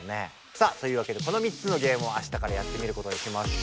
さあというわけでこの３つのゲームをあしたからやってみることにしましょう。